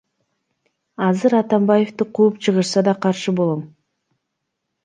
Азыр Атамбаевди кууп чыгышса да каршы болом.